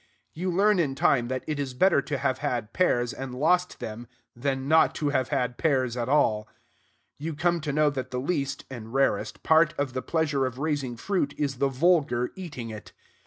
You learn, in time, that it is better to have had pears and lost them than not to have had pears at all. You come to know that the least (and rarest) part of the pleasure of raising fruit is the vulgar eating it.